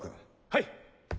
はい。